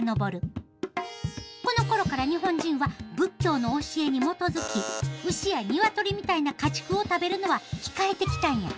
このころから日本人は仏教の教えに基づき牛や鶏みたいな家畜を食べるのは控えてきたんや。